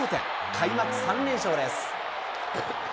開幕３連勝です。